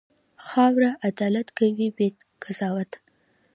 خاوره عدالت کوي، بې قضاوت.